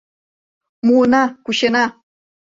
Муына, кучена».